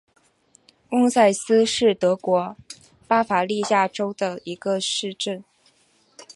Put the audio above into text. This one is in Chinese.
翁塞斯是德国巴伐利亚州的一个市镇。